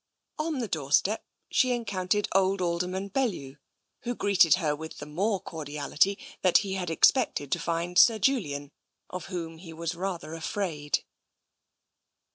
On the doorstep she encountered old Alderman Bel lew, who greeted her with the more cordiality that he had expected to find Sir Julian, of whom he was rather \afraid.